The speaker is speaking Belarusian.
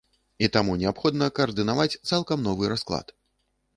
І таму неабходна каардынаваць цалкам новы расклад.